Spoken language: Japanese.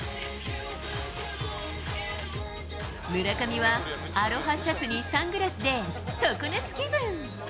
村上はアロハシャツにサングラスで常夏気分。